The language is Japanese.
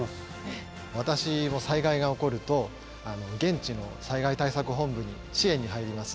私も災害が起こると現地の災害対策本部に支援に入ります。